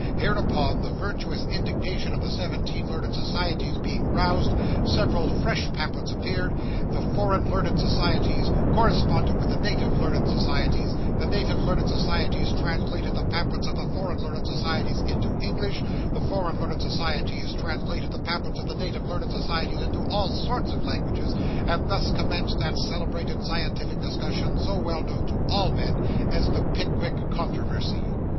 Hereupon, the virtuous indignation of the seventeen learned societies being roused, several fresh pamphlets appeared; the foreign learned societies corresponded with the native learned societies; the native learned societies translated the pamphlets of the foreign learned societies into English; the foreign learned societies translated the pamphlets of the native learned societies into all sorts of languages; and thus commenced that celebrated scientific discussion so well known to all men, as the Pickwick controversy.